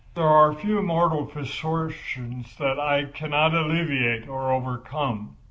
There are few mortal misfortunes that I cannot alleviate or overcome.